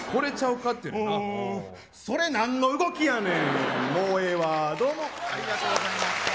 それなんの動きやねん。